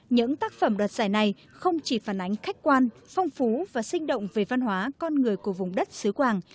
những tác phẩm đoạt giải này không chỉ phản ánh khách quan phong phú và sinh động về văn hóa con người của vùng đất xứ quảng